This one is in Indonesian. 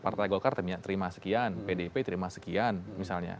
partai golkar terima sekian pdip terima sekian misalnya